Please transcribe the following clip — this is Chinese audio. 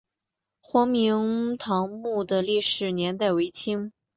黄明堂墓的历史年代为清。